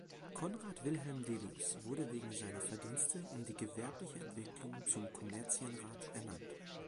Conrad Wilhelm Delius wurde wegen seiner Verdienste um die gewerbliche Entwicklung zum Kommerzienrat ernannt.